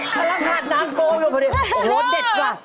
กำลังขาดนางโธ่อยู่โอ้โฮเด็ดกว่า